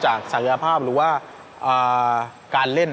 เราไม่มีพวกมันเกี่ยวกับพวกเราแต่เราไม่มีพวกมันเกี่ยวกับพวกเรา